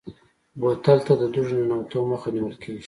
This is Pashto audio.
بوتل ته د دوړې ننوتو مخه نیول کېږي.